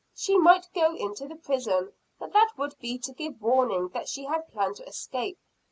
"She might go into the prison. But that would be to give warning that she had planned to escape.